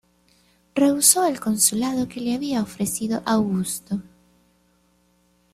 Rehusó el consulado que le había ofrecido Augusto.